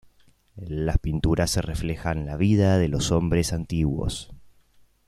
Las pinturas se reflejan la vida de los hombres antiguos.